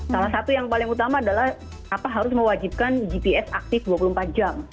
salah satu yang paling utama adalah apa harus mewajibkan gps aktif dua puluh empat jam